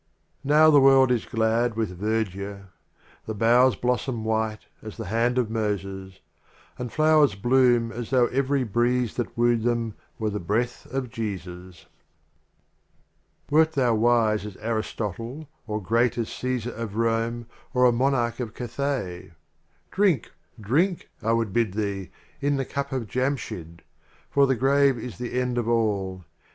Now the world is glad with ver dure; The Boughs blossom white as the Hand of Moses, And Flowers bloom as though every Breeze that wooed them Were the Breath of Jesus. Wert thou wise as Aristotle, or great as Caesar of Rome or a Monarch of Cathay, "Drink, drink !" I would bid thee, "in the Cup of Jamshyd." For the Grave is the End of All.